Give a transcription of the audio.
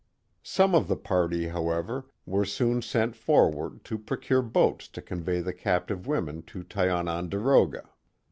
Some of the party, however, were soon sent forward to procure boats to convey the captive women to Tiononderoga.